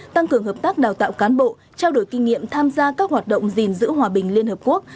tăng cường hợp tác đào tạo cán bộ trao đổi kinh nghiệm tham gia các hoạt động gìn giữ hòa bình liên hợp quốc